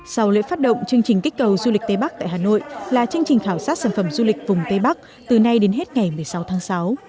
sau lễ phát động chương trình kích cầu du lịch tây bắc tại hà nội là chương trình khảo sát sản phẩm du lịch vùng tây bắc từ nay đến hết ngày một mươi sáu tháng sáu